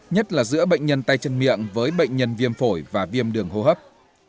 nhất là giữa bệnh nhân tay chân miệng với bệnh nhân viêm phổi và viêm đường hô hấp